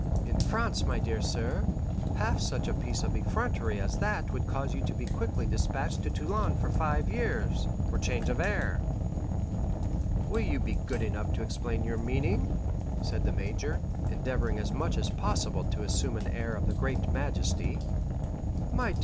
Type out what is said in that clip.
In France, my dear sir, half such a piece of effrontery as that would cause you to be quickly despatched to Toulon for five years, for change of air." "Will you be good enough to explain your meaning?" said the major, endeavoring as much as possible to assume an air of the greatest majesty. "My dear M.